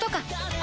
あ！